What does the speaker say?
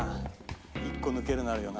１個抜けるのあるよな。